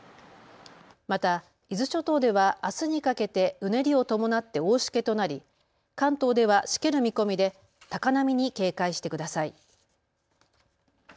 また伊豆諸島ではあすにかけてうねりを伴って大しけとなり関東ではしける見込みで高波に警戒してください。